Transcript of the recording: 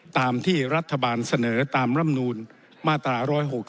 ตามที่รัฐบาลเสนอตามร่ำนูลมาตรา๑๖๒